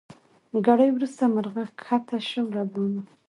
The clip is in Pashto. ګړی وروسته مرغه کښته سو له بامه